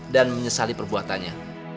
dan menyesali perbuatannya